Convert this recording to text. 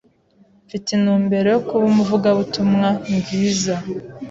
Mfite intumbero yo kuba umuvugabutumwabwiza